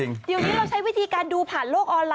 เราใช้วิธีการดูผ่านโลกออนไลน์แบบนี้